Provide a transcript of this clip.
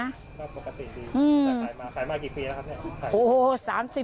รับปกติดีแต่ขายมากี่ปีแล้วครับ